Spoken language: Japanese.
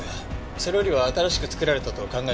それよりは新しく作られたと考えた方が。